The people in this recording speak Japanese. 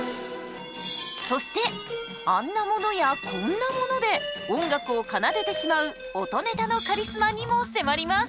そしてあんなものやこんなもので音楽を奏でてしまう音ネタのカリスマにも迫ります！